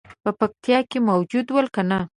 په پکتیا کې موجود ول کنه.